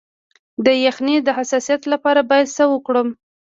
د یخنۍ د حساسیت لپاره باید څه وکړم؟